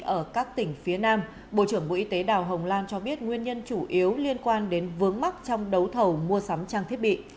ở các tỉnh phía nam bộ trưởng bộ y tế đào hồng lan cho biết nguyên nhân chủ yếu liên quan đến vướng mắc trong đấu thầu mua sắm trang thiết bị